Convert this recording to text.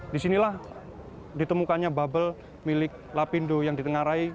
disinilah ditemukannya bubble milik lapindo yang ditengarai